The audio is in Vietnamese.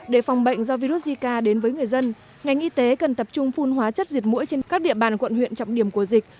để phòng bệnh do virus zika đến với người dân ngành y tế cần tập trung phun hóa chất diệt mũi trên các địa bàn quận huyện trọng điểm của dịch